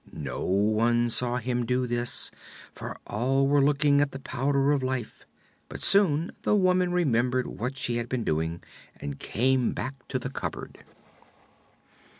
No one saw him do this, for all were looking at the Powder of Life; but soon the woman remembered what she had been doing, and came back to the cupboard.